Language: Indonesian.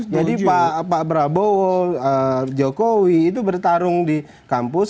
jadi pak prabowo pak jokowi itu bertarung di kampus